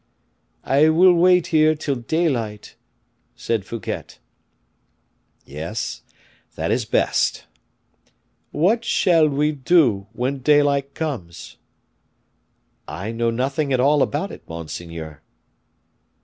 "I will wait here till daylight," said Fouquet. "Yes; that is best." "What shall we do when daylight comes?" "I know nothing at all about it, monseigneur."